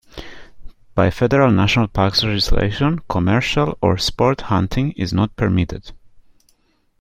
By federal national parks legislation, commercial or sport hunting is not permitted.